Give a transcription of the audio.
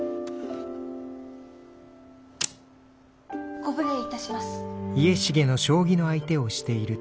・ご無礼いたします。